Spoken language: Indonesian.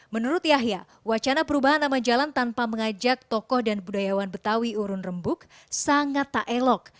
menurut yahya wacana perubahan nama jalan tanpa mengajak tokoh dan budayawan betawi urun rembuk sangat tak elok